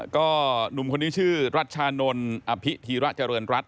ก็หนุ่มคนนี้ชื่อรัชชานนท์อภิธีระเจริญรัฐ